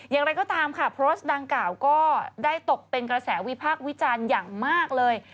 อย่างไรก็ตามค่ะโพสต์ดังกล่าวก็ได้ตกเป็นกระแสวิพากษ์วิจารณ์อย่างมากเลย